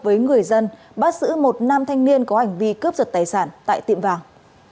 với người dân bắt giữ một nam thanh niên có hành vi cướp giật tài sản tại tiệm vàng